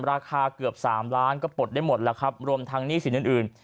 ราคาเกือบ๓ล้านก็ปลดได้หมดแล้วครับรวมทั้งหนี้สินอื่น